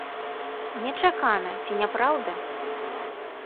Нечакана, ці не праўда?